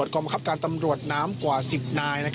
กรรมคับการตำรวจน้ำกว่า๑๐นาย